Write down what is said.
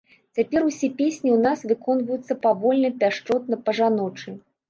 Цяпер усе песні ў нас выконваюцца павольна, пяшчотна, па-жаночы.